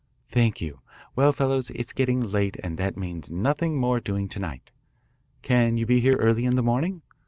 "Thank you. Well, fellows, it is getting late and that means nothing more doing to night. Can you be here early in the morning?